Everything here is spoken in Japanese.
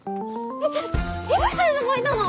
ちょっといつからそこいたの？